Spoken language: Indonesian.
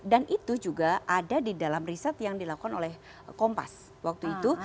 dan itu juga ada di dalam riset yang dilakukan oleh kompas waktu itu